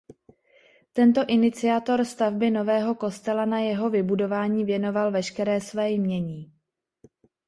Tento iniciátor stavby nového kostela na jeho vybudování věnoval veškeré své jmění.